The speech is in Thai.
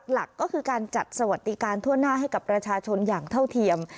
หลักก็คือการจัดสวัสดิการทั่วหน้าให้กับประชาชนอย่างเท่าเทียม